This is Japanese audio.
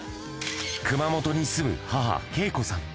熊本に住む母、恵子さん。